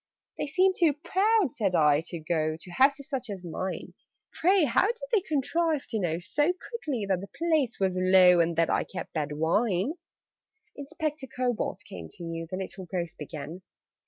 "They seem too proud," said I, "to go To houses such as mine. Pray, how did they contrive to know So quickly that 'the place was low,' And that I 'kept bad wine'?" "Inspector Kobold came to you " The little Ghost began.